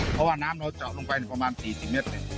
เพราะว่าน้ำเราเจาะลงไปถึงประมาณ๔๐เมตร